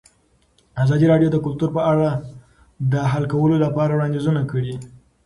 ازادي راډیو د کلتور په اړه د حل کولو لپاره وړاندیزونه کړي.